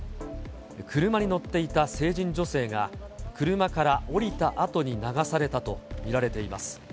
車に乗っていた成人女性が、車から降りたあとに流されたと見られています。